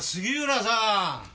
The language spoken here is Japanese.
杉浦はん！